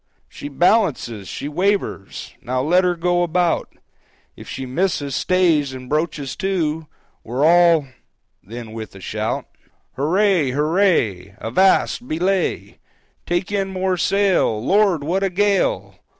"She balances! She wavers! Now let her go about! If she misses stays and broaches to, We're all"—then with a shout, "Huray! huray! Avast! belay! Take in more sail! Lord, what a gale!